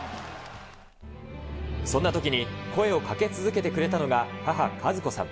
そんなときに声をかけ続けてくれたのが、母、かず子さん。